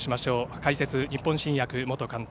解説、日本新薬元監督